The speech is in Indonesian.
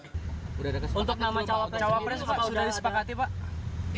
untuk nama cawapres pak sudah disepakati pak